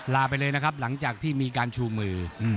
ลาไปเลยนะครับหลังจากที่มีการชูมือ